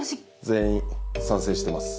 全員賛成してます。